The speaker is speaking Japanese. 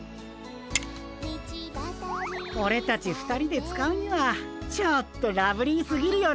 オレたち２人で使うにはちょっとラブリーすぎるよなあ。